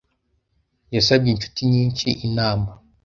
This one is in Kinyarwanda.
Yasabye inshuti nyinshi inama.